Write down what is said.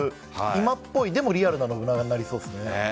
今っぽい、でもリアルな信長になりそうですね。